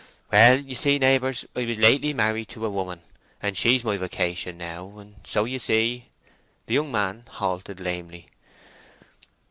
"Well, ye see, neighbours, I was lately married to a woman, and she's my vocation now, and so ye see—" The young man halted lamely.